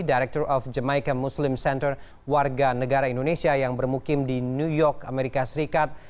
director of jamaica muslim center warga negara indonesia yang bermukim di new york amerika serikat